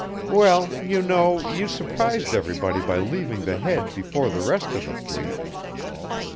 "Well, you know, you surprised everybody by leaving the Head before the rest of the fleet.